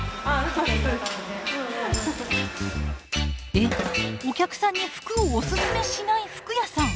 えお客さんに服をオススメしない服屋さん！